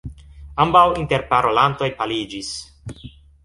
Ambaŭ interparolantoj paliĝis.